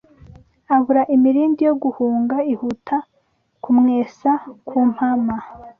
Abura imirindi yo guhunga ihuta kumwesa ku mpama